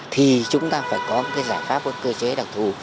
thì chúng ta phải có một cái giải pháp của cơ chế đặc thù